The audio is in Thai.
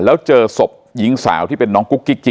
แล้วเจอศพหญิงสาวที่เป็นน้องกุ๊กกิ๊ก